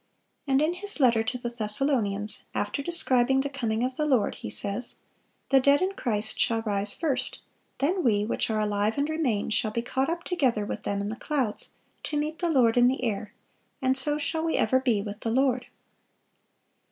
(527) And in his letter to the Thessalonians, after describing the coming of the Lord, he says: "The dead in Christ shall rise first: then we which are alive and remain shall be caught up together with them in the clouds, to meet the Lord in the air: and so shall we ever be with the Lord."